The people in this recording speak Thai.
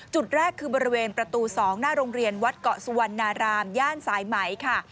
จุดแรกคือบริเวณประตู๒หน้าโรงเรียนวัดเกาะสุวรรณารามย่านสายไหมค่ะ